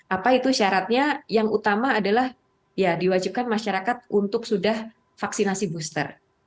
apa itu syaratnya yang utama adalah ya diwajibkan masyarakat untuk sudah vaksinasi booster